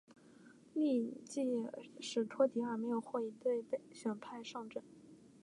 翌季史托迪尔没有获一队选派上阵。